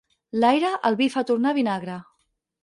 L'aire, el vi fa tornar vinagre.